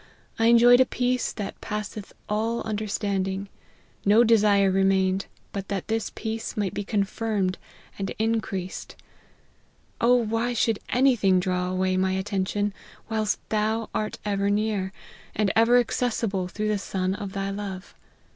I enjoyed a peace that passeth all understanding; no desire remained, but that this peace might be confirmed and increased. O why should any thing draw away my attention, whilst Thou art ever near, and ever accessible through the Son of Thy love